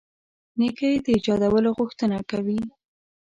نېکۍ د ایجادولو غوښتنه کوي.